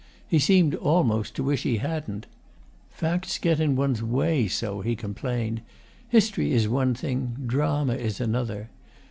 He seemed almost to wish he hadn't. 'Facts get in one's way so,' he complained. 'History is one thing, drama is another.